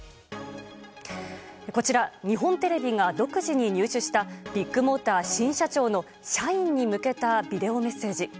こちら、日本テレビが独自に入手した、ビッグモーター新社長の社員に向けたビデオメッセージ。